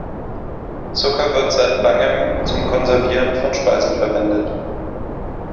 Zucker wird seit langem zum Konservieren von Speisen verwendet.